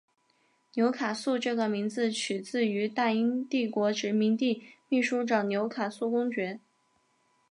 纽卡素这个名字取自于大英帝国殖民地秘书长纽卡素公爵。